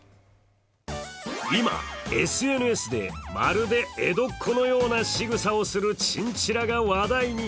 今、ＳＮＳでまるで江戸っ子のようなしぐさをするチンチラが話題に。